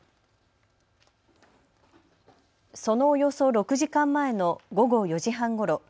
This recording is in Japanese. そのおよそ６時間前の午後４時半ごろ。